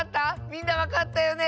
みんなわかったよね？